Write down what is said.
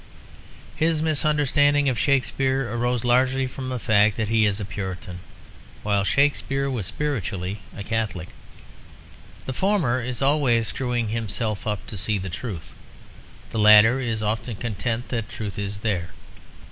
His misunderstanding of Shakespeare arose largely from the fact that he is a Puritan, while Shakespeare was spiritually a Catholic. The former is always screwing himself up to see truth; the latter is often content that truth is there.